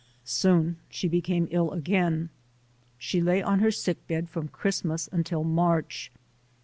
Soon she became ill again. She lay on her sick bed from Christmas until March.